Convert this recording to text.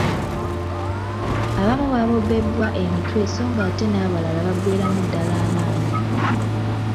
Abamu babobbebwa emitwe so ng'ate n'abalala baggweeramu ddala amaanyi.